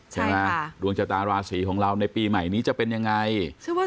ใช่ว่าดวงจตราสีของเราในปีใหม่นี้จะเป็นยังไงว่า